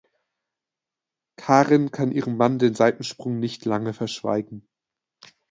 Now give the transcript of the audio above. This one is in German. Karen kann ihrem Mann den Seitensprung nicht lange verschweigen.